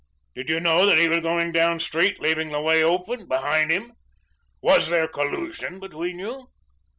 Did you know that he was going down street, leaving the way open behind him? Was there collusion between you?"